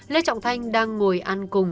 lê trọng thanh đang ngồi ăn cùng